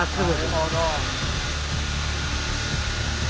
なるほど。